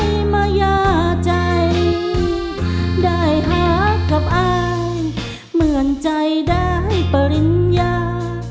ให้มาย่าใจได้หากับอายเหมือนใจได้ปริญญา